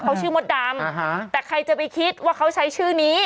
เขาปิดไว้เขาปิดไว้โอเค